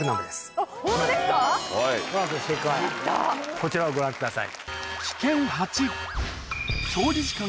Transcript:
こちらをご覧ください。